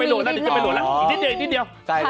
อีกนิดเดียว